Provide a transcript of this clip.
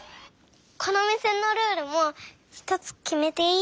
このおみせのルールもひとつきめていい？